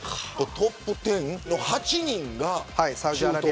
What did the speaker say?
トップ１０の８人が中東。